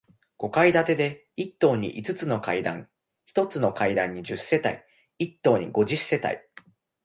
五階建てで、一棟に五つの階段、一つの階段に十世帯、一棟で五十世帯。